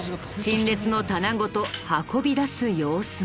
陳列の棚ごと運び出す様子も。